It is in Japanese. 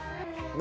何？